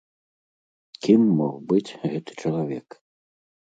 Кім мог быць гэты чалавек?